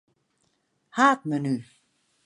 Haadmenu.